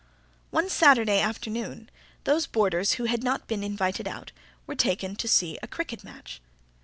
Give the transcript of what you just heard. One Saturday afternoon, those boarders who had not been invited out were taken to see a cricket match.